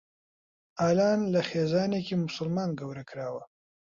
ئالان لە خێزانێکی موسڵمان گەورە کراوە.